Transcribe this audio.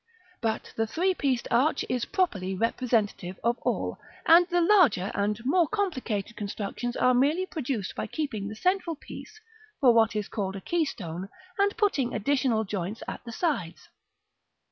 But the three pieced arch is properly representative of all; and the larger and more complicated constructions are merely produced by keeping the central piece for what is called a keystone, and putting additional joints at the sides.